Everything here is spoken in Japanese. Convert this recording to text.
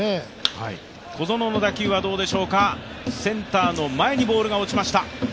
小園の打球はセンターの前にボールが落ちました。